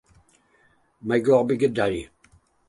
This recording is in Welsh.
Mae goblygiadau ynghlwm wrth hyn o ran addysg siaradwyr ail iaith.